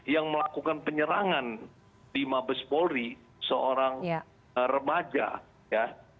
yang melakukan penyerangan di mabes polri seorang remaja ya